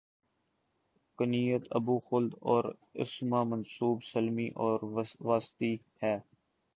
کنیت ابو خالد اور اسم منسوب سلمی اور واسطی ہے